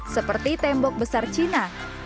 seperti tembok besar china